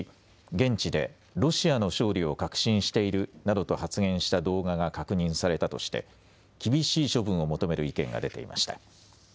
現地でロシアの勝利を確信しているなどと発言した動画が確認されたとして厳しい処分を求める意見が出ていました。